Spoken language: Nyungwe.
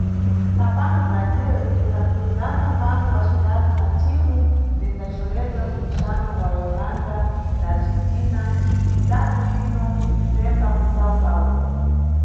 Tsapano Brasil inʼdzapfuwizana mpando wa citatu na thimu linʼdzacholedwa mpikixano wa Holanda na Argentina, citatu cino, pfemba, kuSão Paulo.